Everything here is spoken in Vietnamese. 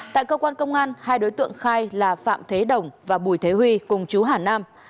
tại cơ quan công an hai đối tượng khai là phạm thế đồng và bùi thế huy cùng chú hà nam